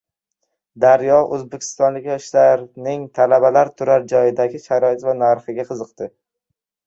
“Daryo” o‘zbekistonlik yoshlarning talabalar turar joyidagi sharoit va narxiga qiziqdi